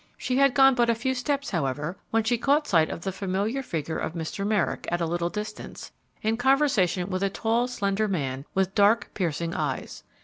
She had gone but a few steps, however, when she caught sight of the familiar figure of Mr. Merrick at a little distance, in conversation with a tall, slender man, with dark, piercing eyes.